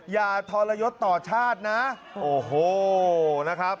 อย่าทรยศต่อชาตินะโอ้โหนะครับ